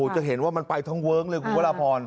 จะเห็นว่ามันไปทั้งเวิ้งเลยคุณพระราพร